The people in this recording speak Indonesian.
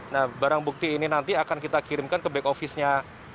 nah barang bukti ini nanti akan kita kirimkan ke back office nya